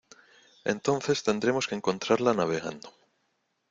entonces tendremos que encontrarla navegando.